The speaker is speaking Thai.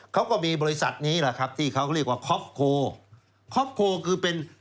เขาก็มีบริษัทนี้แหละครับที่เขาเรียกว่าคอปโคคอปโคคือเป็น